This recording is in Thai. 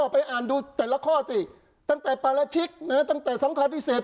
ไปอ่านดูแต่ละข้อสิตั้งแต่ปราชิกตั้งแต่สำคัญพิเศษ